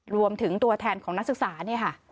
รวมถึงตัวแทนของนักศึกษาเนี่ยค่ะ